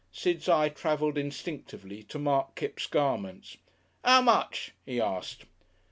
Sid's eye travelled instinctively to mark Kipps' garments. "How much?" he asked.